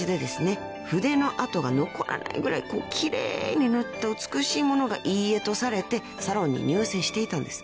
筆の跡が残らないぐらい奇麗に塗った美しいものがいい絵とされてサロンに入選していたんです］